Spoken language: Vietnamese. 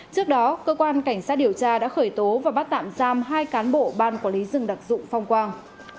trước đó cơ quan cảnh sát điều tra đã khởi tố và bắt tạm giam hai cán bộ ban quản lý rừng đặc dụng phong quang